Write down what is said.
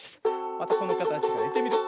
またこのかたちからいってみるよ。